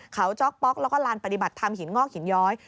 เขาจ๊อกป๊อกแล้วก็ลานปฏิบัติธรรมหินงอกหินย้อย